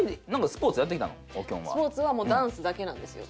スポーツはダンスだけなんですよ。